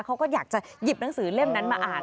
เขาก็อยากจะหยิบหนังสือเล่มนั้นมาอ่าน